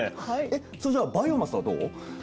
えっそれじゃあバイオマスはどう？